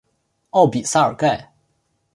奥比萨尔盖。